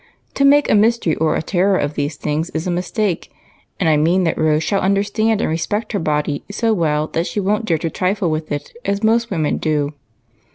To make a mystery or a terror of these things is a mistake, and I mean Rose shall understand and respect her body so well that she won't dare to trifle Avith it as most women do."